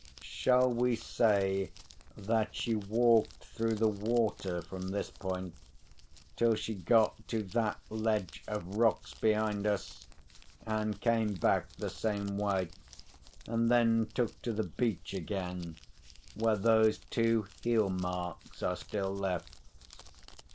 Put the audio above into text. Shall we say that she walked through the water from this point till she got to that ledge of rocks behind us, and came back the same way, and then took to the beach again where those two heel marks are still left?